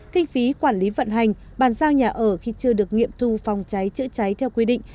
kinh phí quản lý vận hành bàn giao nhà ở khi chưa được nghiệm thu phòng cháy chữa cháy theo quy định